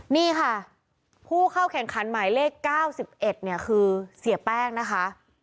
นี่ค่ะผู้เข้าแข่งขันหมายเลข๙๑เนี่ยคือเสียแป้งนะคะ